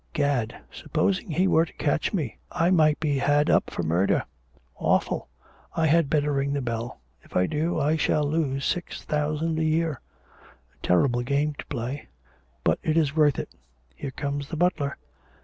Gad, supposing he were to catch me! I might be had up for murder. Awful! I had better ring the bell. If I do, I shall lose six thousand a year. A terrible game to play; but it is worth it. Here comes the butler.'